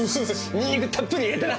ニンニクたっぷり入れてな！